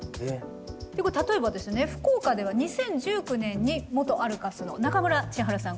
これ例えば福岡では２０１９年に元アルカスの中村知春さん